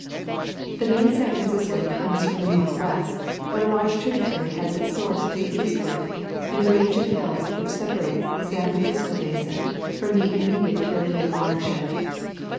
The main San Francisco comes from the northwest, but a large tributary has its source to the eastward in a range of hills which separates the San Francisco basin from the immediate Caribbean water shed.